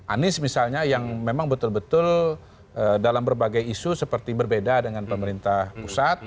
anies misalnya yang memang betul betul dalam berbagai isu seperti berbeda dengan pemerintah pusat